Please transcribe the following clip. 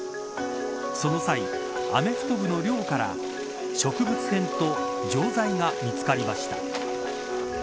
その際、アメフト部の寮から植物片と錠剤が見つかりました。